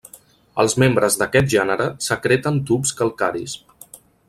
Els membres d'aquest gènere secreten tubs calcaris.